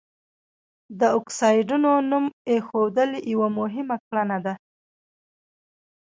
د اکسایډونو نوم ایښودل یوه مهمه کړنه ده.